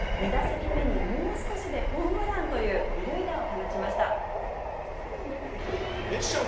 ２打席目にもう少しでホームランという２塁打を放ちました。